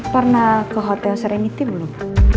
pernah ke hotel serenity belum